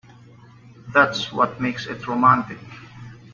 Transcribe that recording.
That's what makes it romantic.